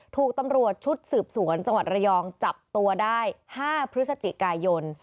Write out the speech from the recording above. ถูกตำรวจชุดสืบสวนจังหวัดระยองจับตัวได้๕พฤศจิกายน